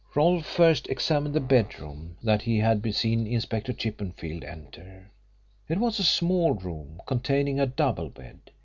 Rolfe first examined the bedroom that he had seen Inspector Chippenfield enter. It was a small room, containing a double bed.